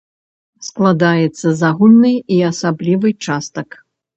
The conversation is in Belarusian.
Складаецца з агульнай і асаблівай частак.